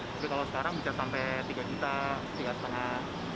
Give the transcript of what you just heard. tapi kalau sekarang bisa sampai tiga juta tiga setengah